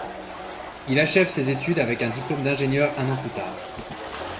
Il achève ses études avec un diplôme d'ingénieur un an plus tard.